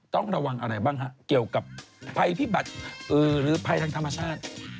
ต้องระวังอะไรบ้างฮะเกี่ยวกับภัยพิบัติหรือภัยทางธรรมชาติ